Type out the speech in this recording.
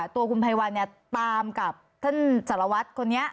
ตัวคุณภัยวัลตามกับท่านสารวัสตร์คนนี้